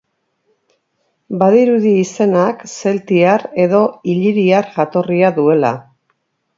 Badirudi izenak zeltiar edo iliriar jatorria duela.